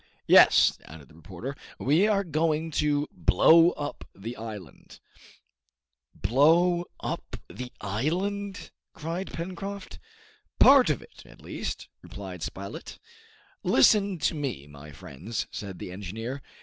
"Yes," added the reporter, "we are going to blow up the island " "Blow up the island?" cried Pencroft. "Part of it, at least," replied Spilett. "Listen to me, my friends," said the engineer.